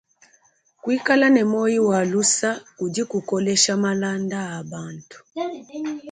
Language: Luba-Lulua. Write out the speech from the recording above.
Kuikala ne moyi wa lusa kudi kukolesha malanda a bantu.